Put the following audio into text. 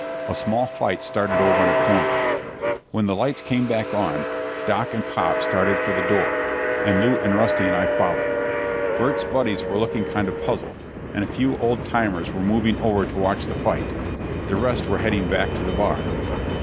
A small fight started over in a corner. When the lights came back on, Doc and Pop started for the door, and Lew and Rusty and I followed. Burt's buddies were looking kind of puzzled, and a few old timers were moving over to watch the fight. The rest were heading back to the bar.